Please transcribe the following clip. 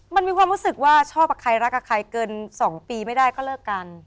มันมีความรู้สึกว่าชอบกับใครรักกับใครเกิน๒ปีไม่ได้ก็เลิกกัน